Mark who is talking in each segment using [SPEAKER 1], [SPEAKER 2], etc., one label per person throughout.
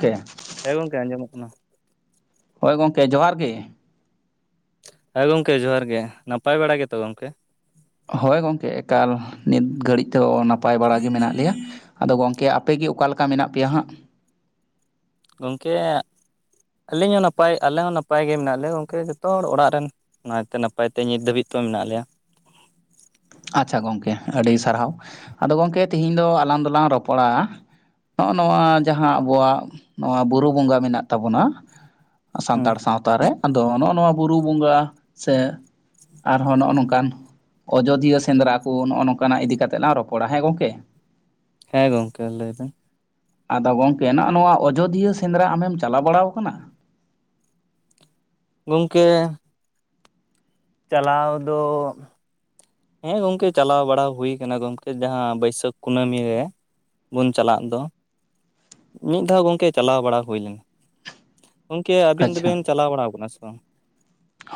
[SPEAKER 1] ᱠᱮ [unintelligible]
[SPEAKER 2] ᱦᱮᱸ ᱜᱚᱢᱠᱮ ᱟᱸᱡᱚᱢᱚᱜ ᱠᱟᱱᱟ
[SPEAKER 1] ᱦᱳᱭ ᱜᱚᱢᱠᱮ ᱡᱚᱦᱟᱨ ᱜᱮ
[SPEAKER 2] ᱦᱮᱸ ᱜᱚᱢᱠᱮ ᱡᱚᱦᱟᱨ ᱜᱮ ᱱᱟᱯᱟᱭ ᱵᱟᱲᱟ ᱜᱮᱛᱚ ᱜᱚᱢᱠᱮ
[SPEAKER 1] ᱦᱳᱭ ᱜᱚᱝᱠᱮ ᱮᱠᱟᱞ ᱱᱤᱛ ᱜᱷᱟᱹᱲᱤᱡ ᱫᱚ ᱱᱟᱯᱟᱭ ᱵᱟᱲᱟᱜ ᱜᱮ ᱢᱮᱱᱟᱜ ᱞᱮᱭᱟ ᱟᱫᱚ ᱜᱚᱝᱠᱮ ᱟ ᱟᱯᱮᱜᱮ ᱚᱠᱟᱞᱮ ᱞᱮᱠᱟ ᱢᱮᱱᱟᱜ ᱯᱮᱭᱟ ᱦᱟᱸᱜ
[SPEAKER 2] ᱜᱚᱝᱠᱮ ᱟᱹᱞᱤᱧ ᱦᱚᱸ ᱱᱟᱯᱟᱭ ᱟᱞᱮ ᱦᱚᱸ ᱱᱟᱯᱟᱭ ᱜᱮ ᱢᱮᱱᱟᱜ ᱞᱮᱭᱟ ᱜᱚᱝᱠᱮ ᱡᱚᱛᱚ ᱦᱚᱲ ᱚᱲᱟᱜ ᱨᱮᱱ ᱱᱟᱯᱟᱭ ᱛᱮ ᱱᱟᱯᱟᱭ ᱱᱤᱛ ᱫᱷᱟᱹᱵᱤᱡ ᱛᱚ ᱢᱮᱱᱟᱜ ᱞᱮᱭᱟ
[SPEAKER 1] ᱟᱪᱪᱷᱟ ᱜᱚᱝᱠᱮ ᱟᱹᱰᱤ ᱥᱟᱨᱦᱟᱣ ᱟᱫᱚ ᱜᱚᱢᱠᱮ ᱛᱤᱦᱤᱧ ᱫᱚ ᱟᱞᱟᱝ ᱫᱚᱞᱟᱝ ᱨᱚᱯᱚᱲᱟ ᱱᱚᱜᱼᱚ ᱱᱚᱣᱟ ᱡᱟᱦᱟᱸ ᱟᱵᱚᱣᱟᱜ ᱱᱚᱣᱟ ᱵᱩᱨᱩ ᱵᱚᱸᱜᱟ ᱢᱮᱱᱟᱜ ᱛᱟᱵᱚᱱᱟ
[SPEAKER 2] ᱦᱩᱸ
[SPEAKER 1] ᱥᱟᱱᱛᱟᱲ ᱥᱟᱶᱛᱟ ᱨᱮ ᱟᱫᱚ ᱱᱚᱜᱼᱚ ᱱᱚᱣᱟ ᱵᱩᱨᱩ ᱵᱚᱸᱜᱟ ᱥᱮ ᱟᱨᱦᱚᱸ ᱱᱚᱜᱼᱚ ᱱᱚᱝᱠᱟᱱ ᱟᱡᱚᱫᱤᱭᱟᱹ ᱥᱮᱸᱫᱽᱨᱟ ᱠᱚ ᱱᱚᱜᱼᱚ ᱱᱚᱝᱠᱟᱱᱟᱜ ᱤᱫᱤᱠᱟ ᱠᱟᱛᱮᱜ ᱞᱟᱝ ᱨᱚᱯᱚᱲᱟ ᱦᱮᱸ ᱜᱚᱝᱠᱮ
[SPEAKER 2] ᱦᱮᱸ ᱜᱚᱝᱠᱮ ᱞᱟᱹᱭ ᱵᱤᱱ
[SPEAKER 1] ᱟᱫᱚ ᱜᱚᱝᱠᱮ ᱱᱚᱜᱼ ᱱᱚᱣᱟ ᱟᱡᱚᱫᱤᱭᱟᱹ ᱥᱮᱸᱫᱽᱨᱟ ᱟᱢᱮᱢ ᱪᱟᱞᱟᱣ ᱵᱟᱲᱟ ᱟᱠᱟᱱᱟ
[SPEAKER 2] ᱜᱚᱢᱠᱮ ᱪᱟᱞᱟᱣ ᱫᱚ ᱦᱮᱸ ᱜᱚᱢᱠᱮ ᱪᱟᱞᱟᱣ ᱵᱟᱲᱟ ᱦᱩᱭᱠᱟᱱᱟ ᱜᱚᱢᱠᱮ ᱡᱟᱦᱟᱸ ᱵᱟᱹᱭᱥᱟᱹᱠᱷ ᱠᱩᱱᱟᱹᱢᱤ ᱨᱮ ᱵᱚᱱ ᱪᱟᱞᱟᱜ ᱫᱚ ᱢᱤᱫ ᱫᱷᱟᱣ ᱜᱚᱢᱠᱮ ᱪᱟᱞᱟᱣ ᱵᱟᱲᱟ ᱦᱩᱭ ᱞᱮᱱᱟ ᱜᱚᱢᱠᱮ ᱟᱹᱵᱤᱱ
[SPEAKER 1] ᱟᱪᱪᱷᱟ
[SPEAKER 2] ᱫᱚᱵᱤᱱ ᱪᱟᱞᱟᱣ ᱵᱟᱲᱟ ᱠᱟᱱᱟ ᱥᱮ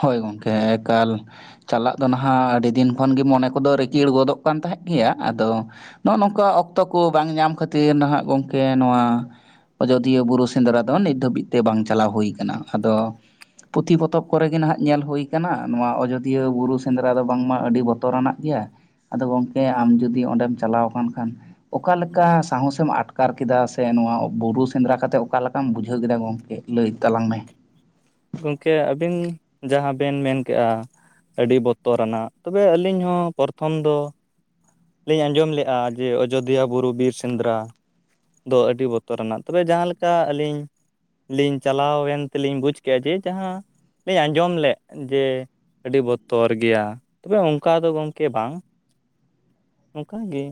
[SPEAKER 1] ᱦᱳᱭ ᱜᱚᱢᱠᱮ ᱮᱠᱟᱞ ᱪᱟᱞᱟᱜ ᱫᱚ ᱱᱟᱦᱟᱸᱜ ᱟᱹᱰᱤ ᱫᱤᱱ ᱠᱷᱚᱱ ᱜᱮ ᱢᱚᱱᱮ ᱠᱚᱫᱚ ᱨᱤᱠᱤᱲ ᱜᱚᱫᱚᱜ ᱠᱟᱱ ᱛᱟᱦᱮᱸᱫ ᱜᱮᱭᱟ ᱟᱫᱚ ᱱᱚᱜᱼᱚ ᱱᱚᱝᱠᱟ ᱚᱠᱛᱚ ᱠᱚ ᱵᱟᱝ ᱧᱟᱢ ᱠᱷᱟᱹᱛᱤᱨ ᱱᱟᱦᱟᱜ ᱜᱚᱢᱠᱮ ᱱᱚᱣᱟ ᱟᱡᱚᱫᱤᱭᱟᱹ ᱵᱩᱨᱩ ᱥᱮᱸᱫᱽᱨᱟ ᱫᱚ ᱱᱤᱛ ᱫᱷᱟᱹᱵᱤᱡ ᱛᱮ ᱵᱟᱝ ᱪᱟᱞᱟᱣ ᱦᱩᱭ ᱟᱠᱟᱱᱟ ᱟᱫᱚ ᱯᱩᱛᱷᱤ ᱯᱚᱛᱚᱵ ᱠᱚᱨᱮᱜ ᱜᱮ ᱱᱟᱦᱟᱜ ᱧᱮᱞ ᱦᱩᱭ ᱠᱟᱱᱟ ᱱᱚᱣᱟ ᱟᱡᱚᱫᱤᱭᱟᱹ ᱵᱩᱨᱩ ᱥᱮᱸᱫᱽᱨᱟ ᱫᱚ ᱵᱟᱝᱢᱟ ᱟᱹᱰᱤ ᱵᱚᱛᱚᱨᱟᱱᱟᱜ ᱜᱮᱭᱟ ᱟᱫᱚ ᱜᱚᱢᱠᱮ ᱟᱢ ᱡᱩᱫᱤ ᱚᱸᱰᱮᱢ ᱪᱟᱞᱟᱣ ᱟᱠᱟᱱ ᱠᱷᱟᱱ ᱚᱠᱟ ᱞᱮᱠᱟ ᱥᱟᱦᱚᱥᱮ ᱮᱢ ᱟᱴᱠᱟᱨ ᱠᱮᱫᱟ ᱥᱮ ᱱᱚᱣᱟ ᱵᱩᱨᱩ ᱥᱮᱸᱫᱽᱨᱟ ᱠᱟᱛᱮᱫ ᱚᱠᱟ ᱞᱮᱠᱟᱢ ᱵᱩᱡᱷᱟᱹᱣ ᱠᱮᱫᱟ ᱜᱚᱝᱠᱮ ᱞᱟᱹᱭ ᱛᱟᱞᱟᱝ ᱢᱮ
[SPEAKER 2] ᱜᱚᱢᱠᱮ ᱟᱹᱵᱤᱱ ᱡᱟᱦᱟᱸ ᱵᱤᱱ ᱢᱮᱱ ᱠᱮᱜᱼᱟ ᱟᱹᱰᱤ ᱵᱚᱛᱚᱨᱟᱱᱟᱜ ᱛᱚᱵᱮ ᱟᱹᱞᱤᱧ ᱦᱚᱸ ᱯᱚᱨᱛᱷᱚᱢ ᱫᱚ ᱞᱤᱧ ᱟᱸᱡᱚᱢ ᱞᱮᱫᱼᱟ ᱡᱮ ᱟᱡᱳᱫᱤᱭᱟᱹ ᱵᱩᱨᱩ ᱵᱤᱨ ᱥᱮᱸᱫᱽᱨᱟ ᱫᱚ ᱟᱹᱰᱤ ᱵᱚᱛᱚᱨᱟᱱᱟᱜ ᱛᱚᱵᱮ ᱡᱟᱦᱟᱸ ᱞᱮᱠᱟ ᱟᱹᱞᱤᱧ ᱞᱤᱧ ᱪᱟᱞᱟᱣᱮᱱ ᱛᱮᱞᱤᱧ ᱵᱩᱡᱽ ᱠᱮ ᱡᱮ ᱡᱟᱦᱟᱸ ᱞᱤᱧ ᱟᱸᱡᱚᱢ ᱞᱮᱫ ᱡᱮ ᱟᱹᱰᱤ ᱵᱚᱛᱚᱨ ᱜᱮᱭᱟ ᱛᱚᱵᱮ ᱚᱱᱠᱟ ᱫᱚ ᱜᱚᱢᱠᱮ ᱵᱟᱝ ᱚᱱᱠᱟᱜᱮ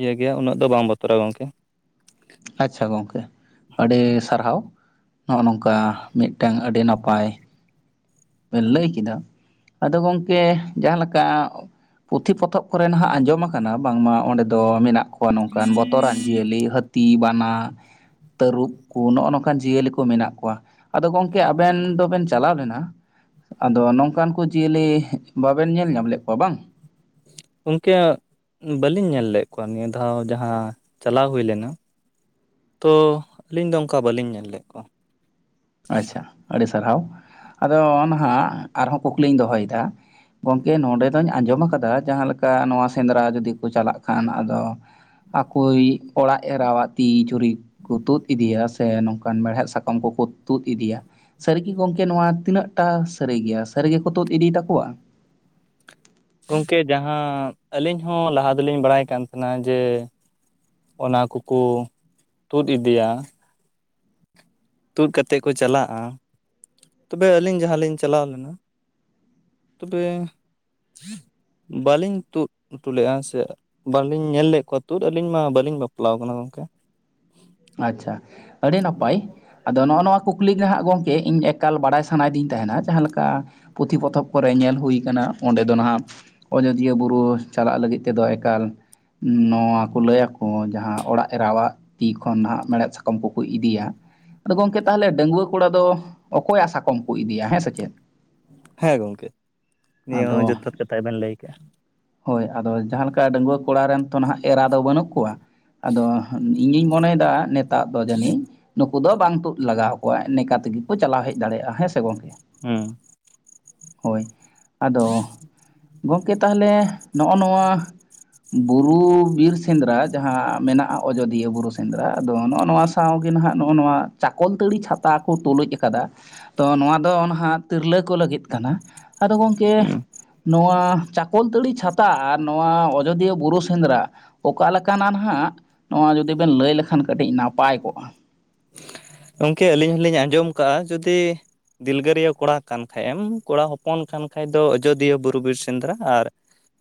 [SPEAKER 2] ᱤᱭᱟᱹ ᱜᱮᱭᱟ ᱩᱱᱟᱹᱜ ᱫᱚ ᱵᱟᱝ ᱵᱚᱛᱚᱨᱟ ᱜᱚᱢᱠᱮ
[SPEAKER 1] ᱟᱪᱪᱷᱟ ᱜᱚᱝᱠᱮ ᱟᱹᱰᱤ ᱥᱟᱨᱦᱟᱣ ᱱᱚᱜᱼᱚᱭ ᱱᱚᱝᱠᱟ ᱢᱤᱫᱴᱟᱝ ᱟᱹᱰᱤ ᱱᱟᱯᱟᱭ ᱵᱤᱱ ᱞᱟᱹᱭ ᱠᱮᱫᱟ ᱟᱫᱚ ᱜᱚᱢᱠᱮ ᱡᱟᱦᱟᱸᱮᱠᱟ ᱯᱩᱛᱷᱤ ᱯᱚᱛᱚᱵ ᱠᱚᱨᱮ ᱱᱟᱦᱟᱜ ᱟᱸᱡᱚᱢ ᱟᱠᱟᱱᱟ ᱵᱟᱝᱢᱟ ᱚᱸᱰᱮ ᱫᱚ ᱢᱮᱱᱟᱜ ᱠᱚ ᱱᱚ ᱱᱚᱝᱠᱟᱱ ᱵᱚᱛᱚᱨᱟᱱ ᱡᱤᱭᱟᱹᱞᱤ ᱦᱟᱹᱛᱤ ᱵᱟᱱᱟ ᱛᱟᱹᱨᱩᱵ ᱠᱚ ᱱᱚᱜᱼᱚ ᱱᱚᱝᱠᱟ ᱚᱱᱠᱟᱱ ᱡᱤᱭᱟᱹᱞᱤ ᱠᱚ ᱢᱮᱱᱟᱜ ᱠᱚᱣᱟ, ᱟᱫᱚ ᱜᱚᱢᱠᱮ ᱟᱵᱮᱱ ᱫᱚᱵᱮᱱ ᱪᱟᱞᱟᱣ ᱞᱮᱱᱟ? ᱟᱫᱚ ᱱᱚᱝᱠᱟᱱ ᱠᱚ ᱡᱤᱭᱟᱹᱞᱤ ᱵᱟᱹᱵᱤᱱ ᱧᱮᱞ ᱧᱟᱢ ᱞᱮᱫ ᱠᱚᱣᱟ ᱵᱟᱝ?
[SPEAKER 2] ᱩᱱ ᱠᱮᱭᱟ [unintelligible] ᱵᱟᱹᱞᱤᱧ ᱧᱮᱞ ᱞᱮᱫ ᱠᱚᱣᱟ ᱱᱤᱭᱟᱹ ᱫᱷᱟᱣ ᱡᱟᱦᱟᱸ ᱪᱟᱞᱟᱣ ᱦᱩᱭ ᱞᱮᱱᱟ ᱾ ᱛᱚ ᱟᱹᱞᱤᱧ ᱫᱚ ᱚᱱᱠᱟ ᱵᱟᱹᱞᱤᱧ ᱧᱮᱞ ᱞᱮᱫ ᱠᱚᱣᱟ ᱾
[SPEAKER 1] ᱟᱪᱪᱷᱟ ᱟᱹᱰᱤ ᱥᱟᱨᱦᱟᱣ ᱾ ᱟᱫᱚ ᱱᱟᱜ ᱟᱨᱦᱚᱸ ᱠᱩᱠᱞᱤᱧ ᱫᱚᱦᱚᱭᱮᱫᱟ ᱾ ᱜᱚᱢᱠᱮ ᱱᱚᱰᱮ ᱫᱚᱧ ᱟᱸᱡᱚᱢ ᱠᱟᱫᱟ ᱡᱟᱦᱟᱸ ᱞᱮᱠᱟ ᱱᱚᱣᱟ ᱥᱮᱸᱫᱽᱨᱟ ᱡᱩᱫᱤ ᱠᱚ ᱪᱟᱞᱟᱜ ᱠᱷᱟᱱ ᱟᱫᱚ ᱟᱠᱭᱤᱡ ᱚᱲᱟᱜ ᱮᱨᱟᱣᱟᱫ ᱛᱤ ᱡᱷᱩᱨᱤ ᱠᱚ ᱛᱩᱫ ᱤᱫᱤᱭᱟ ᱾ ᱥᱮ ᱱᱚᱝᱠᱟᱱ ᱢᱮᱲᱦᱮᱫ ᱥᱟᱠᱟᱢ ᱠᱚᱠᱚ ᱛᱩᱫ ᱤᱫᱤᱭᱟ ᱾ ᱥᱟᱹᱨᱤᱜᱮ ᱜᱚᱢᱠᱮ ᱱᱚᱣᱟ ᱛᱤᱱᱟᱹᱜ ᱴᱟ ᱥᱟᱹᱨᱤ ᱜᱮᱭᱟ ᱾ ᱥᱟᱹᱨᱤᱜᱮ ᱠᱚ ᱛᱩᱫ ᱤᱫᱤ ᱛᱟᱠᱚᱣᱟ?
[SPEAKER 2] ᱜᱚᱢᱠᱮ ᱡᱟᱦᱟᱸ ᱟᱹᱞᱤᱧ ᱦᱚᱸ ᱞᱟᱦᱟ ᱫᱚᱞᱤᱧ ᱵᱟᱰᱟᱭ ᱠᱟᱱ ᱛᱟᱦᱮᱱᱟ ᱡᱮ ᱚᱱᱟ ᱠᱚᱠᱚ ᱛᱩᱫ ᱤᱫᱤᱭᱟ ᱾ ᱛᱩᱫ ᱠᱟᱛᱮᱫ ᱠᱚ ᱪᱟᱞᱟᱜᱼᱟ ᱾ ᱛᱚᱵᱮ ᱟᱹᱞᱤᱧ ᱡᱟᱦᱟᱸ ᱞᱤᱧ ᱪᱟᱞᱟᱣ ᱞᱮᱱᱟ ᱾ ᱛᱚᱵᱮ ᱵᱟᱹᱞᱤᱧ ᱛᱩᱫ ᱩᱴᱩ ᱞᱮᱫᱼᱟ ᱾ ᱥᱮ ᱵᱟᱹᱞᱤᱧ ᱧᱮᱞ ᱞᱮᱫ ᱠᱚᱣᱟ ᱛᱩᱫ ᱾ ᱟᱹᱞᱤᱧ ᱢᱟ ᱵᱟᱹᱞᱤᱧ ᱵᱟᱯᱞᱟ ᱟᱠᱟᱱᱟ ᱜᱚᱝᱠᱮ ᱾
[SPEAKER 1] ᱟᱪᱪᱷᱟ, ᱟᱹᱰᱤ ᱱᱟᱯᱟᱭ᱾ ᱟᱫᱚ ᱱᱚᱜᱼᱚ ᱱᱚᱣᱟ ᱠᱩᱠᱞᱤ ᱜᱮ ᱦᱟᱸᱜ ᱜᱚᱝᱠᱮ ᱤᱧ ᱮᱠᱟᱞ ᱵᱟᱰᱟᱭ ᱥᱟᱱᱟᱭᱮᱫᱤᱧ ᱛᱟᱦᱮᱱᱟ ᱡᱟᱦᱟᱸ ᱞᱮᱠᱟ ᱯᱩᱛᱷᱤ ᱯᱚᱛᱚᱵᱽ ᱠᱚᱨᱮ ᱧᱮᱞ ᱦᱩᱭ ᱠᱟᱱᱟ ᱚᱸᱰᱮ ᱫᱚ ᱱᱟᱦᱟᱜᱼᱼ ᱚᱡᱚᱫᱤᱭᱟᱹ ᱵᱩᱨᱩ ᱪᱟᱞᱟᱜ ᱞᱟᱹᱜᱤᱫ ᱛᱮᱫᱚ ᱮᱠᱟᱞᱼᱼ ᱱᱚᱣᱟ ᱠᱚ ᱞᱟᱹᱭᱟᱠᱚ ᱡᱟᱦᱟᱸ ᱚᱲᱟᱜ ᱮᱨᱟᱣᱟᱜᱼᱼ ᱠᱷᱚᱱ ᱦᱟᱜ ᱢᱮᱲᱦᱮᱫ ᱥᱟᱠᱟᱢ ᱠᱚᱠᱚ ᱤᱫᱤᱭᱟ, ᱟᱫᱚ ᱜᱚᱢᱠᱮ ᱛᱟᱦᱞᱮ ᱰᱟᱹᱜᱩᱣᱟᱹ ᱠᱚᱲᱟ ᱫᱚ ᱚᱠᱚᱭᱟᱜ ᱥᱟᱠᱚᱢ ᱠᱚ ᱤᱫᱤᱭᱟ ᱦᱮᱸ ᱥᱮ ᱪᱮᱫ?
[SPEAKER 2] ᱦᱮᱸ ᱜᱚᱢᱠᱮ ᱱᱤᱭᱟᱹ
[SPEAKER 1] ᱟᱫᱚ
[SPEAKER 2] ᱦᱚᱸ ᱡᱚᱛᱷᱟᱛ ᱠᱟᱛᱷᱟ ᱜᱮ ᱵᱮᱱ ᱞᱟᱹᱭ ᱠᱟᱜᱼᱟ᱾
[SPEAKER 1] ᱦᱳᱭ ᱟᱫᱚ ᱡᱟᱦᱟᱸ ᱞᱮᱠᱟ ᱰᱟᱹᱜᱩᱣᱟᱹ ᱠᱚᱲᱟ ᱨᱮᱱ ᱛᱚ ᱱᱟᱦᱟᱜ ᱮᱨᱟ ᱫᱚ ᱵᱟᱹᱱᱩᱜ ᱠᱚᱣᱟ ᱟᱫᱚᱼᱼ ᱤᱧᱜᱤᱧ ᱢᱚᱱᱮᱭ ᱫᱟ ᱱᱮᱛᱟᱨ ᱫᱚ ᱡᱟᱹᱱᱤᱡᱼᱼ ᱱᱩᱠᱩ ᱫᱚ ᱵᱟᱝ ᱛᱩᱫ ᱞᱟᱜᱟᱣ ᱟᱠᱚᱣᱟ ᱱᱮᱠᱟ ᱛᱮᱜᱮ ᱠᱚ ᱪᱟᱞᱟᱣ ᱦᱮᱡ ᱫᱟᱲᱮᱭᱟᱜᱼᱟ ᱦᱮᱸ ᱥᱮ ᱜᱚᱝᱠᱮ?
[SPEAKER 2] ᱦᱩᱸ
[SPEAKER 1] ᱦᱳᱭ ᱟᱫᱚ ᱜᱚᱝᱠᱮ ᱛᱟᱦᱞᱮ ᱱᱚᱜᱼᱚ ᱱᱚᱣᱟᱼᱼ ᱵᱩᱨᱩ ᱵᱤᱨ ᱥᱮᱸᱫᱽᱨᱟ ᱡᱟᱦᱟᱸ ᱢᱮᱱᱟᱜ-ᱟ ᱚᱡᱚᱫᱤᱭᱟᱹ ᱵᱩᱨᱩ ᱥᱮᱸᱫᱽᱨᱟ ᱟᱫᱚ ᱱᱚᱜᱼᱚ ᱱᱚᱣᱟ ᱥᱟᱶᱜᱮ ᱱᱟᱦᱟᱜ ᱱᱚᱜᱼᱚ ᱱᱚᱣᱟ ᱪᱟᱠᱚᱞᱛᱟᱹᱲᱤ ᱪᱷᱟᱛᱟ ᱠᱚ ᱛᱩᱞᱩᱡ ᱠᱟᱫᱟᱼᱼ ᱛᱚ ᱱᱚᱣᱟ ᱫᱚ ᱱᱟᱸᱦᱟᱜ ᱛᱤᱨᱞᱟᱹ ᱠᱚ ᱞᱟᱹᱜᱤᱫ ᱠᱟᱱᱟ ᱟᱫᱚ ᱜᱚᱢᱠᱮᱼᱼ
[SPEAKER 2] ᱦᱩᱸ
[SPEAKER 1] ᱱᱚᱣᱟ ᱪᱟᱠᱚᱞᱛᱟᱹᱲᱤ ᱪᱷᱟᱛᱟ ᱟᱨ ᱱᱚᱣᱟ ᱚᱡᱚᱫᱤᱭᱟᱹ ᱵᱩᱨᱩ ᱥᱮᱸᱫᱽᱨᱟᱼᱼ ᱚᱠᱟ ᱞᱮᱠᱟᱱᱟ ᱱᱟᱸᱦᱟᱜ ᱱᱚᱣᱟ ᱡᱩᱫᱤ ᱵᱮᱱ ᱞᱟᱹᱭ ᱞᱮᱠᱷᱟᱱ ᱠᱟᱹᱴᱤᱡ ᱱᱟᱯᱟᱭ ᱠᱚᱜᱼᱟ᱾
[SPEAKER 2] ᱜᱚᱢᱠᱮ ᱟᱹᱞᱤᱧ ᱦᱚᱞᱤᱧ ᱟᱸᱡᱚᱢ ᱠᱟᱜᱼᱟ ᱡᱩᱫᱤᱼᱼ ᱫᱤᱞᱜᱟᱹᱨᱤᱭᱟᱹ ᱠᱚᱲᱟ ᱠᱟᱱ ᱠᱷᱟᱡᱮᱢ ᱠᱚᱲᱟ ᱦᱚᱯᱚᱱ ᱠᱟᱱ ᱠᱷᱟᱡ ᱫᱚ ᱟᱡᱳᱫᱤᱭᱟᱹ ᱵᱩᱨᱩ ᱵᱤᱨ ᱥᱮᱸᱫᱽᱨᱟ, ᱟᱨᱼᱼ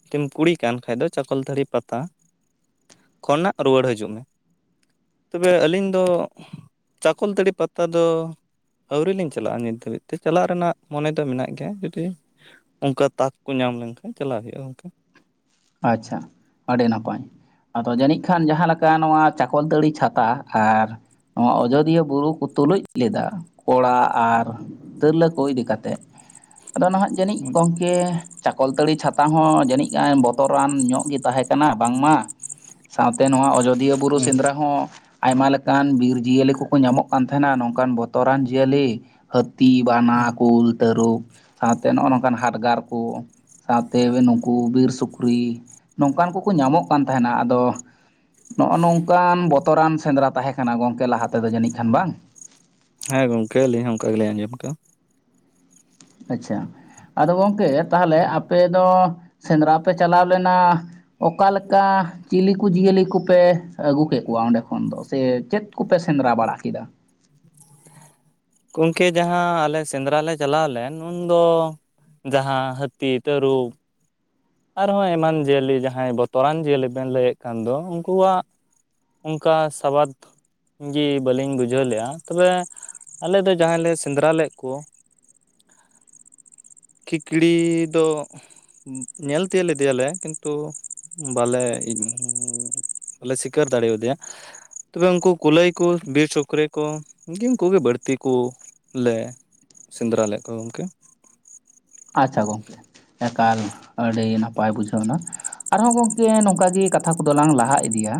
[SPEAKER 2] ᱡᱩᱫᱤᱢ ᱠᱩᱲᱤ ᱠᱟᱱ ᱠᱷᱟᱡ ᱫᱚ ᱪᱟᱠᱚᱞᱛᱟᱹᱲᱤ ᱯᱟᱛᱟᱼᱼ ᱠᱷᱚᱱᱟᱜ ᱨᱩᱣᱟᱹᱲ ᱦᱤᱡᱩᱜ ᱢᱮ, ᱛᱚᱵᱮ ᱟᱹᱞᱤᱧ ᱫᱚᱼᱼ ᱪᱟᱠᱚᱞᱛᱟᱹᱲᱤ ᱯᱟᱛᱟ ᱫᱚᱼᱼ ᱟᱹᱣᱨᱤ ᱞᱤᱧ ᱪᱟᱞᱟᱜᱼᱟ ᱱᱤᱛ ᱫᱷᱟᱵᱤᱡ ᱛᱮ ᱪᱟᱞᱟᱜ ᱨᱮᱱᱟᱜ ᱢᱚᱱᱮ ᱫᱚ ᱢᱮᱱᱟᱜ ᱜᱮᱭᱟ ᱡᱩᱫᱤᱼᱼ ᱚᱱᱠᱟ ᱛᱟᱠ ᱠᱚ ᱧᱟᱢ ᱞᱮᱱᱠᱷᱟᱡ ᱪᱟᱞᱟᱣ ᱦᱩᱭᱩᱜᱼᱟ ᱜᱚᱢᱠᱮ᱾
[SPEAKER 1] ᱟᱪᱪᱷᱟ ᱟᱹᱰᱤ ᱱᱟᱯᱟᱭ᱾ ᱟᱫᱚ ᱡᱟᱹᱱᱤᱡ ᱠᱷᱟᱱ ᱡᱟᱦᱟᱸ ᱞᱮᱠᱟ ᱱᱚᱣᱟ ᱪᱟᱠᱚᱞᱛᱟᱹᱲᱤ ᱪᱷᱟᱛᱟ ᱟᱨ ᱱᱚᱣᱟ ᱚᱡᱚᱫᱤᱭᱟᱹ ᱵᱩᱨᱩ ᱠᱚ ᱛᱩᱞᱩᱡ ᱞᱮᱫᱟ ᱠᱚᱲᱟ ᱟᱨᱼᱼ ᱛᱤᱨᱞᱟᱹ ᱠᱚ ᱤᱫᱤ ᱠᱟᱛᱮᱜ ᱟᱫᱚ ᱱᱟᱦᱟᱜᱼᱼ ᱡᱟᱹᱱᱤᱡ ᱜᱚᱝᱠᱮ ᱪᱟᱠᱚᱞᱛᱟᱹᱲᱤ ᱪᱷᱟᱛᱟ ᱦᱚᱸ ᱡᱟᱹᱱᱤᱡ ᱵᱚ ᱛᱚᱨᱟᱱ ᱧᱚᱜ ᱜᱮ ᱛᱟᱦᱮᱸ ᱠᱟᱱᱟ ᱵᱟᱝᱢᱟ, ᱥᱟᱶᱛᱮ ᱱᱚᱣᱟ ᱚᱡᱚᱫᱤᱭᱟᱹ ᱵᱩᱨᱩ ᱥᱮᱸᱫᱽᱨᱟ ᱦᱚᱸᱼᱼ ᱟᱭᱢᱟ ᱞᱮᱠᱟᱱ ᱵᱤᱨ ᱡᱤᱭᱟᱹᱞᱤ ᱠᱚᱠᱚ ᱧᱟᱢᱚᱜ ᱠᱟᱱ ᱛᱟᱸᱦᱮᱱᱟ ᱱᱚᱝᱠᱟᱱ ᱵᱚᱛᱚᱨᱟᱱ ᱡᱤᱭᱟᱹᱞᱤ᱾ ᱦᱟᱹᱛᱤ, ᱵᱟᱱᱟ, ᱠᱩᱞ, ᱛᱟᱹᱨᱩᱵᱼᱼ ᱥᱟᱶᱛᱮ ᱱᱚᱜᱼᱚ ᱱᱚᱝᱠᱟᱱ ᱦᱟᱰᱜᱟᱨ ᱠᱩ ᱥᱟᱶᱛᱮ ᱱᱩᱠᱩ ᱵᱤᱨ ᱥᱩᱠᱼᱼ ᱩᱠᱨᱤ ᱱᱚᱝᱠᱟᱱ ᱠᱚᱠᱚ ᱧᱟᱢᱚᱜ ᱠᱟᱱ ᱛᱟᱦᱮᱸᱱᱟ ᱟᱫᱚ, ᱱᱚᱜᱼᱚ ᱱᱚᱝᱠᱟᱱ ᱵᱚᱛᱚᱨᱟᱱ ᱥᱮᱸᱫᱽᱨᱟ ᱛᱟᱦᱮᱸ ᱠᱟᱱᱟ ᱜᱚᱝᱠᱮ ᱞᱟᱦᱟ ᱛᱮᱫᱚ ᱡᱟᱹᱱᱤᱡ ᱠᱷᱟᱱ ᱵᱟᱝ?
[SPEAKER 2] ᱦᱮᱸ ᱜᱚᱝᱠᱮ ᱟᱹᱞᱤᱧ ᱦᱚᱸ ᱚᱱᱠᱟ ᱜᱮᱞᱤᱧ ᱟᱸᱡᱚᱢ ᱠᱟᱜᱼᱟ।
[SPEAKER 1] ᱟᱪᱪᱷᱟ ᱟᱫᱚ ᱜᱚᱢᱠᱮ ᱛᱟᱦᱚᱞᱮ ᱟᱯᱮ ᱫᱚ ᱥᱮᱸᱫᱽᱨᱟ ᱯᱮ ᱪᱟᱞᱟᱣ ᱞᱮᱱᱟ ᱚᱠᱟᱞᱮᱠᱟ ᱪᱤᱞᱤ ᱠᱚ ᱡᱤᱭᱟᱹᱞᱤ ᱠᱚᱯᱮ ᱟᱹᱜᱩ ᱠᱮᱫ ᱠᱚᱣᱟ ᱚᱸᱰᱮ ᱠᱷᱚᱱ ᱫᱚ ᱥᱮ ᱪᱮᱫ ᱠᱚᱯᱮ ᱥᱮᱸᱫᱽᱨᱟ ᱵᱟᱲᱟ ᱠᱮᱫᱟ?
[SPEAKER 2] ᱜᱚᱝᱠᱮ ᱡᱟᱦᱟᱸ ᱟᱞᱮ ᱥᱮᱸᱫᱽᱨᱟ ᱞᱮ ᱪᱟᱞᱟᱣ ᱞᱮᱱ ᱩᱱᱫᱚ, ᱡᱟᱦᱟᱸ ᱦᱟᱹᱛᱤ, ᱛᱟᱹᱨᱩᱵ, ᱟᱨᱦᱚᱸ ᱮᱢᱟᱱ ᱡᱤᱭᱟᱹᱞᱤ ᱡᱟᱦᱟᱸᱭ ᱵᱚᱛᱚᱨᱟᱱ ᱡᱤᱭᱟᱹᱞᱤ ᱵᱮᱱ ᱞᱟᱹᱭᱮᱫ ᱠᱟᱱ ᱫᱚ ᱩᱱᱠᱩᱣᱟᱜ ᱚᱱᱠᱟ ᱥᱟᱵᱟᱫᱽ ᱼᱼ ᱡᱮ ᱵᱟᱹᱞᱤᱧ ᱵᱩᱡᱷᱟᱹᱣ ᱞᱮᱜᱼᱟ, ᱛᱚᱵᱮ ᱟᱞᱮ ᱫᱚ ᱡᱟᱦᱟᱸᱭ ᱞᱮ ᱥᱮᱸᱫᱽᱨᱟ ᱞᱮᱫ ᱠᱚᱼᱼ
[SPEAKER 1] [inaudible]
[SPEAKER 2] ᱠᱷᱤᱠᱲᱤ ᱫᱚ ᱧᱮᱞ ᱛᱤᱭᱳᱜ ᱞᱮᱫᱮᱭᱟᱞᱮ, ᱠᱤᱱᱛᱩ ᱵᱟᱞᱮ ᱵᱟᱞᱮ ᱥᱤᱠᱟᱹᱨ ᱫᱟᱲᱮᱭᱟᱫᱮᱭᱟ। ᱛᱚᱵᱮ ᱩᱱᱠᱩ ᱠᱩᱞᱟᱹᱭ ᱠᱚ ᱵᱤᱨ ᱥᱩᱠᱨᱤ ᱠᱚ ᱵᱤᱧ ᱠᱚᱜᱮ ᱵᱟᱹᱲᱛᱤ ᱠᱚ, ᱞᱮ ᱥᱮᱸᱫᱽᱨᱟ ᱞᱮᱫ ᱠᱚᱣᱟ ᱜᱚᱢᱠᱮ।
[SPEAKER 1] ᱟᱪᱪᱷᱟ ᱜᱚᱝᱠᱮ ᱮᱠᱟᱞ ᱟᱹᱰᱤ ᱱᱟᱯᱟᱭ ᱵᱩᱡᱷᱟᱹᱣ ᱮᱱᱟ। ᱟᱨᱦᱚᱸ ᱜᱚᱝᱠᱮ ᱱᱚᱝᱠᱟ ᱜᱮ ᱠᱟᱛᱷᱟ ᱠᱚᱫᱚ ᱞᱟᱝ ᱞᱟᱦᱟ ᱤᱫᱤᱭᱟ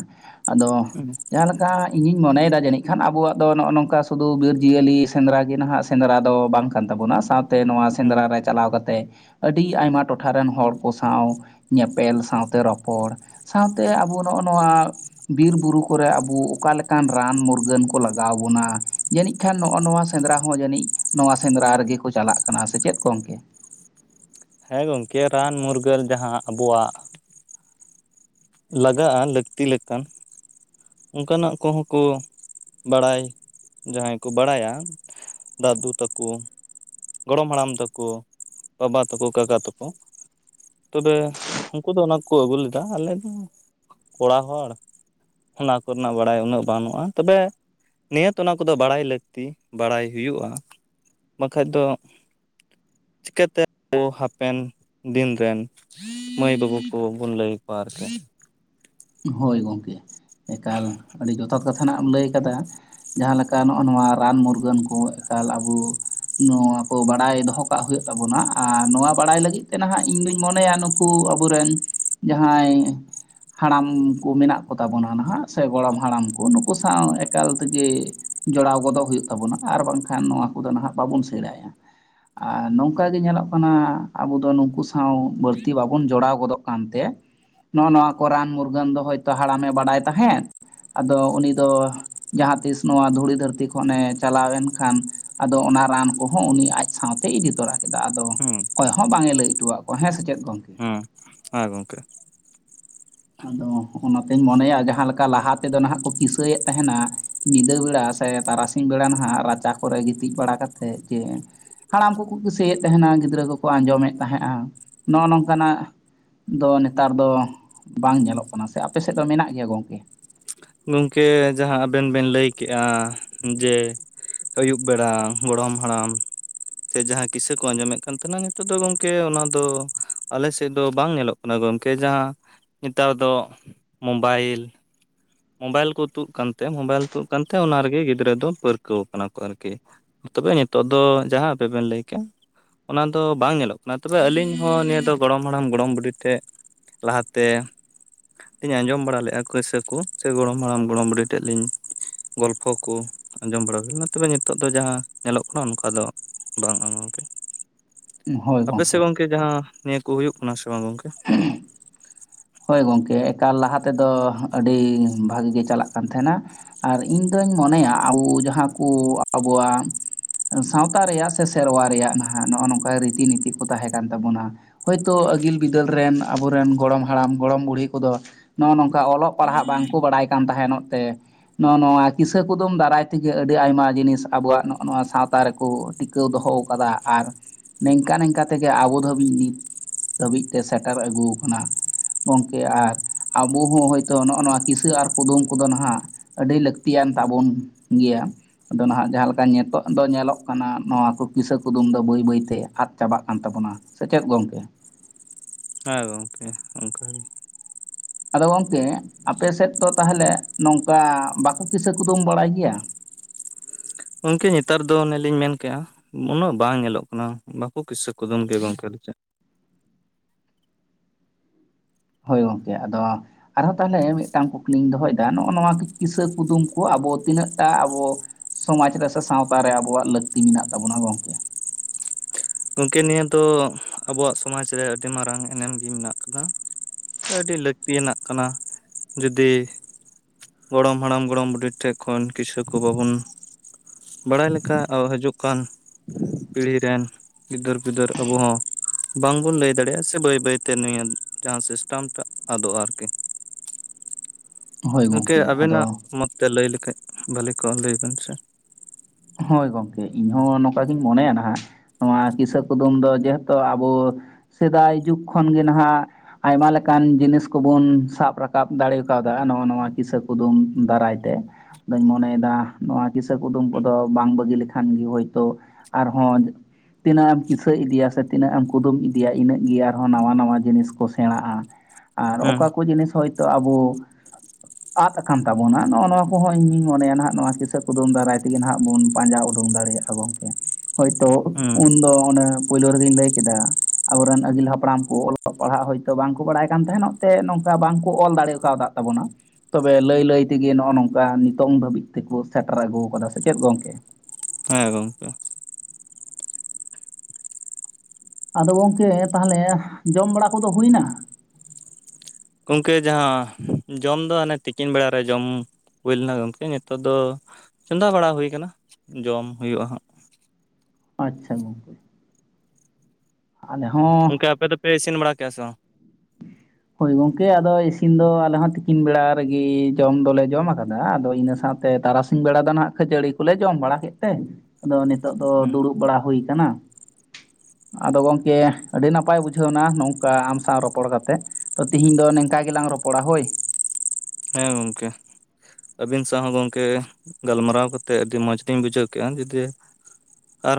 [SPEAKER 1] ᱟᱫᱚ,
[SPEAKER 2] ᱦᱩᱸ
[SPEAKER 1] ᱡᱟᱦᱟᱸ ᱞᱮᱠᱟ ᱤᱧᱤᱧ ᱢᱚᱱᱮᱭᱫᱟ ᱡᱟᱹᱱᱤᱡ ᱠᱷᱟᱱ ᱟᱵᱚᱣᱟᱜ ᱫᱚ ᱱᱚᱜᱼᱚ ᱱᱚᱝᱠᱟ ᱥᱩᱫᱩ ᱵᱤᱨ ᱡᱤᱭᱟᱹᱞᱤ ᱥᱮᱸᱫᱽᱨᱟ ᱜᱮ ᱱᱟᱦᱟᱜ ᱥᱮᱸᱫᱽᱨᱟ ᱫᱚ ᱵᱟᱝ ᱠᱟᱱ ᱛᱟᱵᱚᱱᱟ ᱥᱟᱶᱛᱮ ᱱᱚᱣᱟ
[SPEAKER 2] ᱦᱩᱸ
[SPEAKER 1] ᱥᱮᱸᱫᱽᱨᱟ ᱨᱮ ᱪᱟᱞᱟᱣ ᱠᱟᱛᱮ ᱟᱹᱰᱤ ᱟᱭᱢᱟ ᱴᱚᱴᱷᱟ ᱨᱮᱱ ᱦᱚᱲ ᱠᱚ ᱥᱟᱶ ᱧᱮᱯᱮᱞ ᱥᱟᱶᱛᱮ ᱨᱚᱯᱚᱲ, ᱥᱟᱶᱛᱮ ᱟᱵᱚ ᱱᱚᱜᱼᱚ ᱱᱚᱣᱟ, ᱵᱤᱨᱼᱵᱩᱨᱩ ᱠᱚᱨᱮ ᱟᱵᱚ ᱚᱠᱟ ᱞᱮᱠᱟᱱ ᱨᱟᱱ ᱢᱩᱨᱜᱟᱹᱱ ᱠᱚ ᱞᱟᱜᱟᱣ ᱟᱵᱚᱱᱟ, ᱡᱟᱹᱱᱤᱡ ᱠᱷᱟᱱ ᱱᱚᱜᱼᱱᱚᱣᱟ ᱥᱮᱸᱫᱽᱨᱟ ᱦᱚᱸ ᱡᱟᱹᱱᱤᱡ ᱱᱚᱣᱟ ᱥᱮᱸᱫᱽᱨᱟ ᱨᱮᱜᱮ ᱠᱚ ᱪᱟᱞᱟᱜ ᱠᱟᱱᱟ ᱥᱮ ᱪᱮᱫ ᱜᱚᱝᱠᱮ?
[SPEAKER 2] ᱦᱮᱸ ᱜᱚᱝᱠᱮ ᱨᱟᱱ ᱢᱩᱨᱜᱟᱹᱱ ᱡᱟᱦᱟᱸ ᱟᱵᱚᱣᱟᱜ ᱞᱟᱜᱟᱜᱼᱟ ᱞᱟᱹᱠᱛᱤ ᱞᱮᱠᱟᱱ ᱚᱱᱠᱟᱱᱟᱜ ᱠᱚᱦᱚᱸ ᱠᱚ ᱵᱟᱲᱟᱭ ᱡᱟᱦᱟᱸᱭ ᱠᱚ ᱵᱟᱲᱟᱭᱟ, ᱫᱟᱫᱩ ᱛᱟᱠᱚ, ᱜᱚᱲᱚᱢ ᱦᱟᱲᱟᱢ ᱛᱟᱠᱚ, ᱵᱟᱵᱟ ᱛᱟᱠᱚ, ᱠᱟᱠᱟ ᱛᱟᱠᱚ, ᱛᱚᱵᱮ ᱩᱱᱠᱩ ᱫᱚ ᱚᱱᱟᱠᱚ ᱟᱹᱜᱩ ᱞᱮᱫᱟ ᱟᱞᱮ ᱫᱚ ᱠᱚᱲᱟ ᱦᱚᱲ, ᱚᱱᱟ ᱠᱚᱨᱮᱱᱟᱜ ᱵᱟᱲᱟᱭ ᱩᱱᱟᱹᱜ ᱵᱟᱱᱩᱜᱼᱟ ᱛᱚᱵᱮ, ᱱᱤᱦᱟᱹᱛ ᱚᱱᱟ ᱠᱚᱫᱚ ᱵᱟᱲᱟᱭ ᱞᱟᱹᱠᱛᱤ ᱵᱟᱲᱟᱭ ᱦᱩᱭᱩᱜᱼᱟ ᱵᱟᱠᱷᱟᱡ ᱫᱚ, ᱪᱤᱠᱟᱹᱛᱮ ᱟᱵᱚ ᱦᱟᱯᱮᱱ ᱫᱤᱱ ᱨᱮᱱ ᱢᱟᱹᱭ ᱵᱟᱹᱵᱩ ᱠᱚ ᱵᱚᱱ ᱞᱟᱹᱭ ᱟᱠᱚᱣᱟ [unintelligible]
[SPEAKER 1] ᱦᱳᱭ ᱜᱚᱝᱠᱮ ᱮᱠᱟᱞ ᱟᱹᱰᱤ ᱡᱚᱛᱷᱟᱛ ᱠᱟᱛᱷᱟᱱᱟᱜ ᱮᱢ ᱞᱟᱹᱭ ᱟᱠᱟᱫᱟ। ᱡᱟᱦᱟᱸ ᱞᱮᱠᱟ ᱱᱚᱜᱼᱚ ᱱᱚᱣᱟ ᱨᱟᱱ ᱢᱩᱨᱜᱟᱹᱱ ᱠᱚ ᱮᱠᱟᱞ ᱟᱵᱚ ᱱᱚᱣᱟ ᱠᱚ ᱵᱟᱲᱟᱭ ᱫᱚᱦᱚ ᱠᱟᱜ ᱦᱩᱭᱩᱜ ᱛᱟᱵᱚᱱᱟ, ᱟᱨ ᱱᱚᱣᱟ ᱵᱟᱲᱟᱭ ᱞᱟᱹᱜᱤᱫ ᱛᱮ ᱱᱟᱦᱟᱜ ᱤᱧ ᱫᱩᱧ ᱢᱚᱱᱮᱭᱟ ᱱᱩᱠᱩ ᱠᱩ ᱟᱵᱚᱨᱮᱱ ᱡᱟᱦᱟᱸᱭ ᱦᱟᱲᱟᱢ ᱩᱱᱠᱩ ᱢᱮᱱᱟᱜ ᱠᱚᱛᱟ ᱵᱚᱱᱟ ᱱᱟᱦᱟᱜ ᱥᱮ ᱜᱚᱲᱚᱢ ᱦᱟᱲᱟᱢ ᱠᱚ ᱱᱩᱠᱩ ᱥᱟᱶ ᱮᱠᱟᱞ ᱛᱮᱜᱮ ᱡᱚᱲᱟᱣ ᱜᱚᱫᱚᱜ ᱦᱩᱭᱩᱜ ᱛᱟᱵᱚᱱᱟ ᱟᱨ ᱵᱟᱝᱠᱷᱟᱱ ᱱᱚᱣᱟ ᱠᱚᱫᱚ ᱱᱟᱦᱟᱜ ᱵᱟᱵᱚᱱ ᱥᱮᱲᱟᱭᱟ᱾ ᱟᱨ ᱱᱚᱝᱠᱟ ᱜᱮ ᱧᱮᱞᱚᱜ ᱠᱟᱱᱟ, ᱟᱵᱚ ᱫᱚ ᱱᱩᱠᱩ ᱥᱟᱶ ᱵᱟᱹᱲᱛᱤ ᱵᱟᱵᱚᱱ ᱡᱚᱲᱟᱣ ᱜᱚᱫᱚᱜ ᱠᱟᱱᱛᱮ ᱱᱚᱜᱼᱚ ᱱᱚᱣᱟ ᱠᱚ ᱨᱟᱱ ᱢᱩᱨᱜᱟᱹᱱ ᱫᱚ ᱦᱭᱛᱳ ᱦᱟᱲᱟᱢᱮ ᱵᱟᱰᱟᱭ ᱛᱟᱦᱮᱸᱫ ᱟᱫᱚ ᱩᱱᱤ ᱫᱚ ᱡᱟᱦᱟᱸ ᱛᱤᱥ ᱱᱚᱣᱟ ᱫᱷᱩᱲᱤ ᱫᱷᱟᱹᱨᱛᱤ ᱠᱷᱚᱱᱮ ᱪᱟᱞᱟᱣ ᱮᱱᱠᱷᱟᱱ ᱟᱫᱚ ᱚᱱᱟ ᱨᱟᱱ ᱠᱚᱦᱚᱸ ᱩᱱᱤ ᱟᱡ ᱥᱟᱶᱛᱮ ᱤᱫᱤ ᱛᱚᱨᱟ ᱠᱮᱫᱟ, ᱟᱫᱚ
[SPEAKER 2] ᱦᱩᱸ
[SPEAKER 1] ᱠᱚᱦᱚᱸ ᱵᱟᱝ ᱮ ᱞᱟᱹᱭ ᱦᱚᱴᱚᱣᱟᱜ ᱠᱚᱣᱟ ᱦᱮᱸ ᱥᱮ ᱪᱮᱫ ᱜᱚᱝᱠᱮ?
[SPEAKER 2] ᱦᱮᱸ ᱦᱮᱸ ᱜᱚᱝᱠᱮ
[SPEAKER 1] ᱟᱫᱚ ᱚᱱᱟᱛᱤᱧ ᱢᱚᱱᱮᱭᱟ ᱡᱟᱦᱟᱸ ᱞᱮᱠᱟ ᱞᱟᱦᱟ ᱛᱮᱫᱚ ᱱᱟᱦᱟᱜ ᱠᱚ ᱠᱤᱥᱟᱹᱭᱮᱫ ᱛᱟᱦᱮᱱᱟ, ᱧᱤᱫᱟᱹ ᱵᱮᱲᱟ ᱥᱮ ᱛᱟᱨᱟᱥᱤᱧ ᱵᱮᱲᱟ ᱱᱟᱦᱟᱜ ᱨᱟᱪᱟ ᱠᱚᱨᱮ ᱜᱤᱛᱤᱡ ᱵᱟᱲᱟ ᱠᱟᱛᱮᱫ ᱡᱮ ᱦᱟᱲᱟᱢ ᱠᱚᱠᱚ ᱠᱩᱥᱟᱹᱭᱮᱫ ᱛᱟᱦᱮᱱᱟ ᱜᱤᱫᱽᱨᱟᱹ ᱠᱚᱠᱚ ᱟᱸᱡᱚᱢᱮᱫ ᱛᱟᱦᱮᱸᱱᱟ ᱱᱚᱜᱼᱚ ᱱᱚᱝᱠᱟᱱᱟᱜ ᱫᱚ ᱱᱮᱛᱟᱨ ᱫᱚ ᱵᱟᱝ ᱧᱮᱞᱚᱜ ᱠᱟᱱᱟ ᱥᱮ ᱟᱯᱮ ᱥᱮᱫ ᱫᱚ ᱢᱮᱱᱟᱜ ᱜᱮᱭᱟ ᱜᱚᱝᱠᱮ?
[SPEAKER 2] ᱜᱚᱝᱠᱮ ᱡᱟᱦᱟᱸ ᱟᱵᱮᱱ ᱵᱮᱱ ᱞᱟᱹᱭ ᱠᱮᱜᱼᱟ ᱡᱮ ᱟᱹᱭᱩᱵ ᱵᱮᱲᱟ ᱜᱚᱲᱚᱢ ᱦᱟᱲᱟᱢ᱾ ᱥᱮ ᱡᱟᱦᱟᱸ ᱠᱤᱥᱟᱹ ᱠᱚ ᱟᱸᱡᱚᱢᱮᱫ ᱠᱟᱱ ᱛᱟᱦᱮᱸᱱᱟ ᱱᱤᱛᱚᱜ ᱫᱚ ᱜᱚᱝᱠᱮ ᱚᱱᱟ ᱫᱚ ᱟᱞᱮ ᱥᱮᱫ ᱫᱚ ᱵᱟᱝ ᱧᱮᱞᱚᱜ᱾ ᱚᱱᱟ ᱜᱚᱢᱠᱮ ᱡᱟᱦᱟᱸ ᱱᱤᱛᱟᱨ ᱫᱚ ᱢᱳᱵᱟᱭᱤᱞ᱾ ᱢᱳᱵᱟᱭᱤᱞ ᱠᱚ ᱛᱩᱫ ᱠᱟᱱᱛᱮ ᱢᱳᱵᱟᱭᱤᱞ ᱛᱩᱫ ᱠᱟᱱᱛᱮ ᱚᱱᱟ ᱨᱮᱜᱮ ᱜᱤᱫᱽᱨᱟᱹ ᱫᱚ ᱯᱟᱹᱨᱠᱟᱹᱣ ᱠᱟᱱᱟ ᱠᱚ ᱟᱨᱠᱤ᱾ ᱛᱚᱵᱮ ᱱᱤᱛᱚᱜ ᱫᱚ ᱡᱟᱦᱟᱸ ᱟᱵᱮ ᱵᱮᱱ ᱞᱟᱹᱭ ᱠᱮᱜᱼᱟ᱾ ᱚᱱᱟ ᱫᱚ ᱵᱟᱝ ᱧᱮᱞᱚᱜ ᱠᱟᱱᱟ ᱛᱚᱵᱮ ᱟᱹᱞᱤᱧ ᱦᱚᱸ ᱱᱤᱭᱟᱹ ᱫᱚ ᱜᱚᱲᱚᱢ ᱦᱟᱲᱟᱢ ᱜᱚᱲᱚᱢ ᱵᱩᱰᱤ ᱴᱷᱮᱡ ᱞᱟᱦᱟᱛᱮ, ᱤᱧ ᱟᱸᱡᱚᱢ ᱵᱟᱲᱟ ᱞᱮᱫᱼᱟ ᱠᱟᱹᱭᱥᱟᱹ ᱠᱩ᱾ ᱥᱮ ᱜᱚᱲᱚᱢ ᱦᱟᱲᱟᱢ ᱜᱚᱲᱚᱢ ᱵᱩᱰᱤ ᱴᱷᱮᱡ ᱞᱤᱧ ᱜᱚᱞᱯᱷᱚ ᱠᱩ᱾ ᱟᱸᱡᱚᱢ ᱵᱟᱲᱟ ᱦᱩᱭᱞᱱᱟ ᱛᱚᱵᱮ ᱱᱤᱛᱚᱜ ᱫᱚ ᱡᱟᱦᱟᱸ ᱧᱮᱞᱚᱜ ᱠᱟᱱᱟ ᱚᱱᱠᱟ ᱫᱚ ᱵᱟᱝ ᱟ ᱜᱚᱝᱠᱮ᱾ ᱟᱯᱮ ᱥᱮ ᱜᱚᱝᱠᱮ ᱡᱟᱦᱟᱸ ᱱᱤᱭᱟᱹ ᱠᱚ ᱦᱩᱭᱩᱜ ᱠᱟᱱᱟ ᱥᱮ ᱵᱟᱝ ᱜᱚᱝᱠᱮ?
[SPEAKER 1] [unintelligible] ᱦᱳᱭ ᱜᱚᱝᱠᱮ ᱮᱠᱟᱞ ᱞᱟᱦᱟ ᱛᱮᱫᱚ ᱟᱹᱰᱤ ᱵᱷᱟᱜᱤ ᱜᱤ ᱪᱟᱞᱟᱜ ᱠᱟᱱ ᱛᱟᱦᱮᱸᱱᱟ᱾ ᱟᱨ ᱤᱧ ᱫᱚᱧ ᱢᱚᱱᱮᱭᱟ ᱟᱵᱩ ᱡᱟᱦᱟᱸ ᱠᱩ ᱟᱵᱩᱣᱟᱜ ᱥᱟᱶᱛᱟ ᱨᱮᱭᱟᱜ ᱥᱮ ᱥᱮᱨᱣᱟ ᱨᱮᱭᱟᱜ ᱱᱟᱦᱟᱜ ᱱᱚᱜᱼᱚ ᱱᱚᱝᱠᱟ ᱨᱤᱛᱤ ᱱᱤᱛᱤ ᱠᱚ ᱛᱟᱦᱮᱸ ᱠᱟᱱ ᱛᱟᱵᱚᱱᱟ᱾ ᱦᱳᱭᱛᱳ ᱟᱹᱜᱤᱞ ᱵᱤᱫᱟᱹᱞ ᱨᱮᱱ ᱟᱵᱚᱨᱮᱱ ᱜᱚᱲᱚᱢ ᱦᱟᱲᱟᱢ ᱜᱚᱲᱚᱢ ᱵᱩᱲᱦᱤ ᱠᱚᱫᱚ ᱱᱚᱜᱼᱚ ᱱᱚᱝᱠᱟ ᱚᱞᱚᱜ ᱯᱟᱲᱦᱟᱜ ᱵᱟᱝᱠᱚ ᱵᱟᱲᱟᱭ ᱠᱟᱱ ᱛᱟᱦᱮᱸ ᱱᱚᱜ ᱛᱮ᱾ ᱱᱚᱜᱼᱚ ᱱᱚᱣᱟ ᱠᱤᱥᱟᱹ ᱠᱩᱫᱩᱢ ᱫᱟᱨᱟᱭ ᱛᱮᱜᱮ ᱟᱹᱰᱤ ᱟᱭᱢᱟ ᱡᱤᱱᱤᱥ ᱟᱵᱚᱣᱟᱜ ᱱᱚᱜᱼᱚ ᱱᱚᱣᱟ ᱥᱟᱶᱛᱟ ᱨᱮᱠᱚ ᱴᱤᱠᱟᱹᱣ ᱫᱚᱦᱚᱣ ᱠᱟᱫᱟ ᱟᱨ ᱱᱤᱝᱠᱟ ᱱᱤᱝᱠᱟ ᱛᱮᱜᱮ ᱟᱵᱚ ᱫᱷᱟᱹᱵᱤᱡ ᱱᱤᱛ ᱫᱷᱟᱹᱵᱤᱡ ᱛᱮ ᱥᱮᱴᱮᱨ ᱟᱹᱜᱩᱣ ᱠᱟᱱᱟ ᱜᱚᱢᱠᱮ ᱟᱨ ᱟᱵᱩ ᱦᱚᱸ ᱦᱳᱭᱛᱳ ᱱᱚᱜᱼᱚ ᱱᱚᱣᱟ ᱠᱤᱥᱟᱹ ᱟᱨ ᱠᱩᱫᱩᱢ ᱠᱚᱫᱚ ᱱᱟᱦᱟᱜ ᱟᱹᱰᱤ ᱞᱟᱹᱠᱛᱤᱭᱟᱱ ᱛᱟᱵᱚᱱ ᱜᱮᱭᱟ᱾ ᱟᱫᱚ ᱱᱟᱦᱟᱜ ᱡᱟᱦᱟᱸ ᱞᱮᱠᱟ ᱱᱤᱛᱚᱜ ᱫᱚ ᱧᱮᱞᱚᱜ ᱠᱟᱱᱟ ᱱᱚᱣᱟ ᱠᱚ ᱠᱤᱥᱟᱹ ᱠᱩᱫᱩᱢ ᱫᱚ ᱵᱟᱹᱭ ᱵᱟᱹᱭᱛᱮ ᱟᱫ ᱪᱟᱵᱟᱜ ᱠᱟᱱ ᱛᱟᱵᱚᱱᱟ᱾ ᱥᱮ ᱪᱮᱫ ᱜᱚᱝᱠᱮ?
[SPEAKER 2] ᱦᱮᱸ ᱜᱚᱝᱠᱮ ᱚᱱᱠᱟ ᱜᱤ᱾
[SPEAKER 1] ᱟᱫᱚ ᱜᱚᱝᱠᱮ ᱟᱯᱮ ᱥᱮᱫ ᱛᱚ ᱛᱟᱦᱚᱞᱮ ᱱᱚᱝᱠᱟ ᱵᱟᱠᱚ ᱠᱤᱥᱟᱹ ᱠᱩᱫᱩᱢ ᱵᱟᱲᱟᱭ ᱜᱮᱭᱟ?
[SPEAKER 2] ᱜᱚᱝᱠᱮ ᱱᱮᱛᱟᱨ ᱫᱚ ᱚᱱᱮ ᱞᱤᱧ ᱢᱮᱱᱠᱮᱜᱼᱟ ᱩᱱᱟᱹᱜ ᱵᱟᱝ ᱧᱮᱞᱚᱜ ᱠᱟᱱᱟ, ᱵᱟᱠᱚ ᱠᱤᱥᱟᱹ ᱠᱩᱫᱩᱢ ᱜᱮ ᱜᱚᱝᱠᱮ ᱫᱚ ᱪᱮᱫ᱾
[SPEAKER 1] ᱦᱳᱭ ᱜᱚᱝᱠᱮ ᱟᱫᱚ ᱟᱨᱦᱚᱸ ᱛᱟᱦᱚᱞᱮ ᱢᱤᱫᱴᱟᱝ ᱠᱩᱠᱞᱤᱧ ᱫᱚᱦᱚᱭᱫᱟ ᱱᱚᱜᱼᱚ ᱱᱚᱣᱟ ᱠᱤᱥᱟᱹ ᱠᱩᱫᱩᱢ ᱠᱚ ᱟᱵᱚ ᱛᱤᱱᱟᱹᱜᱴᱟ ᱟᱵᱚ ᱥᱚᱢᱟᱡ ᱨᱮᱥᱮ ᱥᱟᱶᱛᱟ ᱨᱮ ᱟᱵᱚᱣᱟᱜ ᱞᱟᱹᱠᱛᱤ ᱢᱤᱱᱟᱜ ᱛᱟᱵᱚᱱᱟ ᱜᱚᱝᱠᱮ?
[SPEAKER 2] ᱜᱚᱝᱠᱮ ᱱᱤᱭᱟᱹ ᱫᱚ ᱟᱵᱚᱣᱟᱜ ᱥᱚᱢᱟᱡ ᱨᱮ ᱟᱹᱰᱤ ᱢᱟᱨᱟᱝ ᱮᱱᱮᱢ ᱜᱮ ᱢᱮᱱᱟᱜ ᱠᱟᱫᱟ᱾ ᱥᱮ ᱟᱹᱰᱤ ᱞᱟᱹᱠᱛᱤᱭᱟᱱᱟᱜ ᱠᱟᱱᱟ ᱡᱩᱫᱤ ᱜᱚᱲᱚᱢ ᱦᱟᱲᱟᱢ ᱜᱚᱲᱚᱢ ᱵᱩᱰᱷᱤ ᱴᱷᱮᱡ ᱠᱷᱚᱱ ᱠᱤᱥᱟᱹ ᱠᱚ ᱵᱟᱵᱚᱱ ᱵᱟᱲᱟᱭ ᱞᱮᱠᱟ ᱚ ᱦᱟᱹᱡᱩᱜ ᱠᱟᱱ ᱯᱤᱲᱤ ᱨᱮᱱ ᱜᱤᱫᱟᱹᱨ ᱯᱤᱫᱟᱹᱨ ᱟᱵᱩ ᱦᱚᱸ ᱵᱟᱝᱵᱚᱱ ᱞᱟᱹᱭ ᱫᱟᱲᱮᱭᱟᱜᱼᱟ, ᱥᱮ ᱵᱟᱹᱭ ᱵᱟᱹᱭᱛᱮ ᱱᱤᱭᱟᱹ ᱡᱟᱦᱟᱸ ᱥᱤᱥᱴᱟᱢ ᱴᱟᱜ ᱟᱫᱚᱜᱼᱟ ᱟᱨᱠᱤ᱾
[SPEAKER 1] ᱦᱳᱭ
[SPEAKER 2] ᱜᱚᱝᱠᱮ
[SPEAKER 1] ᱟᱫᱚ
[SPEAKER 2] ᱟᱵᱮᱱᱟᱜ ᱢᱚᱛ ᱛᱮ ᱞᱟᱹᱭ ᱞᱮᱠᱷᱟᱡ ᱵᱷᱟᱞᱤ ᱠᱚᱜᱼᱟ ᱞᱟᱹᱭ ᱵᱮᱱ ᱥᱮ᱾
[SPEAKER 1] ᱦᱳᱭ ᱜᱚᱝᱠᱮ, ᱤᱧᱦᱚ ᱱᱚᱠᱟ ᱜᱤᱧ ᱢᱚᱱᱮᱭᱟ ᱱᱟᱦᱟᱜ᱾ ᱱᱚᱣᱟ ᱠᱤᱥᱟᱹ ᱠᱩᱫᱩᱢ ᱫᱚ ᱡᱮᱦᱮᱛᱩ ᱟᱵᱚ ᱥᱮᱫᱟᱭ ᱡᱩᱜᱽ ᱠᱷᱚᱱᱜᱮ ᱱᱟᱦᱟᱜ ᱟᱭᱢᱟ ᱞᱮᱠᱟᱱ ᱡᱤᱱᱤᱥ ᱠᱚᱵᱚᱱ ᱥᱟᱵ ᱨᱟᱠᱟᱵ ᱫᱟᱲᱮᱣ ᱠᱟᱣᱫᱟ ᱱᱚᱜᱼᱚ ᱱᱚᱣᱟ ᱠᱤᱥᱟᱹ ᱠᱩᱫᱩᱢ ᱫᱟᱨᱟᱭ ᱛᱮ᱾ ᱫᱚᱧ ᱢᱚᱱᱮᱭᱫᱟ ᱱᱚᱣᱟ ᱠᱤᱥᱟᱹ ᱠᱩᱫᱩᱢ ᱠᱚᱫᱚ ᱵᱟᱝ ᱵᱟᱹᱜᱤ ᱞᱮᱠᱷᱟᱱ ᱜᱮ ᱦᱳᱭᱛᱳ ᱟᱨᱦᱚᱸ ᱛᱤᱱᱟᱹᱜ ᱮᱢ ᱠᱤᱥᱟᱹ ᱤᱫᱤᱭᱟ ᱥᱮ ᱛᱤᱱᱟᱹᱜ ᱮᱢ ᱠᱩᱫᱩᱢ ᱤᱫᱤᱭᱟ ᱤᱱᱟᱹᱜ ᱜᱤ ᱟᱨᱦᱚᱸ ᱱᱟᱣᱟ ᱱᱟᱣᱟ ᱡᱤᱱᱤᱥ ᱠᱚ ᱥᱮᱬᱟᱜᱼᱟ᱾ ᱟᱨ
[SPEAKER 2] ᱦᱩᱸ
[SPEAKER 1] ᱚᱠᱟ ᱠᱚ ᱡᱤᱱᱤᱥ ᱦᱚᱭᱛᱳ ᱟᱵᱚ ᱟᱫ ᱟᱠᱟᱱ ᱛᱟᱵᱚᱱᱟ ᱱᱚᱜᱼᱚ ᱱᱚᱣᱟ ᱠᱚᱦᱚᱸ ᱤᱧᱤᱧ ᱢᱚᱱᱮᱭᱟ ᱱᱟᱦᱟᱜ ᱱᱚᱣᱟ ᱠᱤᱥᱟᱹ ᱠᱩᱫᱩᱢ ᱫᱟᱨᱟᱭ ᱛᱤᱜᱤ ᱱᱟᱦᱟᱜ ᱵᱚᱱ ᱯᱟᱸᱡᱟ ᱩᱰᱩᱝ ᱫᱟᱲᱮᱭᱟᱜᱼᱟ ᱜᱚᱝᱠᱮ ᱦᱚᱭᱛᱳ
[SPEAKER 2] ᱦᱩᱸ
[SPEAKER 1] ᱩᱱᱫᱚ ᱚᱱᱮ ᱯᱩᱭᱞᱳ ᱨᱮᱜᱤᱧ ᱞᱟᱹᱭ ᱠᱮᱫᱟ᱾ ᱟᱵᱚᱨᱮᱱ ᱟᱹᱜᱤᱞ ᱦᱟᱯᱲᱟᱢ ᱠᱚ ᱚᱞᱚᱜ ᱯᱟᱲᱦᱟᱜ ᱦᱚᱭᱛᱚ ᱵᱟᱝᱠᱚ ᱵᱟᱲᱟᱭ ᱠᱟᱱ ᱛᱟᱦᱮᱱᱚᱜ ᱛᱮ ᱱᱚᱝᱠᱟ ᱵᱟᱝᱠᱚ ᱚᱞ ᱫᱟᱲᱮᱣ ᱠᱟᱣᱫᱟ᱾ ᱛᱚᱵᱮ ᱞᱟᱹᱭ ᱞᱟᱹᱭ ᱛᱮᱜᱮ ᱱᱚᱜᱼᱚ ᱱᱚᱝᱠᱟ ᱱᱤᱛᱚᱝ ᱫᱷᱟᱹᱵᱤᱡ ᱛᱮᱠᱚ ᱥᱮᱴᱮᱨ ᱟᱹᱜᱩ ᱟᱠᱟᱫᱟ ᱥᱮᱪᱮᱫ ᱜᱚᱝᱠᱮ
[SPEAKER 2] ᱦᱮᱸ ᱜᱚᱢᱠᱮ
[SPEAKER 1] ᱟᱫᱚ ᱜᱚᱝᱠᱮ ᱛᱟᱦᱚᱞᱮ ᱡᱚᱢ ᱵᱟᱲᱟ ᱠᱚᱫᱚ ᱦᱩᱭ ᱮᱱᱟ?
[SPEAKER 2] ᱜᱚᱢᱠᱮ ᱡᱟᱦᱟᱸ ᱡᱚᱢ ᱫᱚ ᱦᱟᱱᱮ ᱛᱤᱠᱤᱱ ᱵᱮᱲᱟᱨᱮ ᱡᱚᱢ ᱦᱩᱭᱞᱮᱱᱟ ᱜᱚᱢᱠᱮ ᱱᱤᱛᱚᱜ ᱫᱚ ᱪᱚᱸᱫᱟ ᱵᱟᱲᱟ ᱦᱩᱭ ᱟᱠᱟᱱᱟ ᱡᱚᱢ ᱦᱩᱭᱩᱜᱼᱟ ᱦᱟᱜ
[SPEAKER 1] ᱟᱪᱪᱷᱟ ᱜᱚᱝᱠᱮ ᱟᱞᱮ ᱦᱚᱸ
[SPEAKER 2] ᱜᱚᱝᱠᱮ ᱟᱯᱮ ᱫᱚᱯᱮ ᱤᱥᱤᱱ ᱵᱟᱲᱟ ᱠᱮᱜᱼᱟ ᱥᱮ ᱵᱟᱝ
[SPEAKER 1] ᱦᱳᱭ ᱜᱚᱝᱠᱮ ᱟᱫᱚ ᱤᱥᱤᱱ ᱫᱚ ᱟᱞᱮ ᱦᱚᱸ ᱛᱤᱠᱤᱱ ᱵᱮᱲᱟ ᱨᱮᱜᱮ ᱡᱚᱢ ᱫᱚᱞᱮ ᱡᱚᱢ ᱟᱠᱟᱫᱟ ᱟᱫᱚ ᱤᱱᱟᱹ ᱥᱟᱶᱛᱮ ᱛᱮ ᱛᱟᱨᱟᱥᱤᱧ ᱵᱮᱲᱟ ᱫᱚ ᱱᱟᱦᱟᱜ ᱠᱷᱟᱹᱡᱟᱹᱲᱤ ᱠᱚᱞᱮ ᱡᱚᱢ ᱵᱟᱲᱟ ᱠᱮᱫ ᱛᱮ ᱟᱫᱚ ᱱᱤᱛᱚᱜ ᱫᱚ
[SPEAKER 2] ᱵᱟᱝ
[SPEAKER 1] ᱫᱩᱲᱩᱵ ᱵᱟᱲᱟ ᱦᱩᱭ ᱠᱟᱱᱟ᱾ ᱟᱫᱚ ᱜᱚᱢᱠᱮ ᱟᱹᱰᱤ ᱱᱟᱯᱟᱭ ᱵᱩᱡᱷᱟᱹᱣ ᱮᱱᱟ ᱱᱚᱝᱠᱟ ᱟᱢ ᱥᱟᱶ ᱨᱚᱯᱚᱲ ᱠᱟᱛᱮᱫ ᱛᱚ ᱛᱤᱦᱤᱧ ᱫᱚ ᱱᱤᱝᱠᱟ ᱜᱮᱞᱟᱝ ᱨᱚᱯᱚᱲᱟ ᱦᱳᱭ
[SPEAKER 2] ᱦᱮᱸ ᱜᱚᱝᱠᱮ ᱟᱹᱵᱤᱱ ᱥᱟᱶ ᱦᱚᱸ ᱜᱚᱝᱠᱮ ᱜᱟᱞᱢᱟᱨᱟᱣ ᱠᱟᱛᱮᱜ ᱟᱹᱰᱤ ᱢᱚᱸᱡᱽ ᱞᱤᱧ ᱵᱩᱡᱷᱟᱹᱣ ᱠᱮᱫᱼᱟ᱾ ᱡᱩᱫᱤ ᱟᱨᱦᱚᱸ